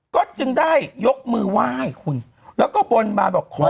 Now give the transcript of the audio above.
ก็จึงได้ยกมือไหว้คุณแล้วก็บนบานบอกขอ